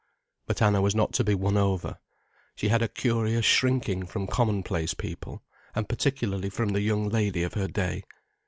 But Anna was not to be won over. She had a curious shrinking from commonplace people, and particularly from the young lady of her day.